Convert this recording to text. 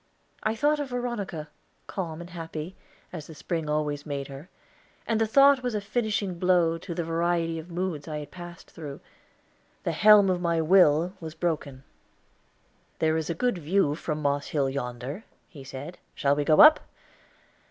I thought of Veronica, calm and happy, as the spring always made her, and the thought was a finishing blow to the variety of moods I had passed through. The helm of my will was broken. "There is a good view from Moss Hill yonder," he said. "Shall we go up?"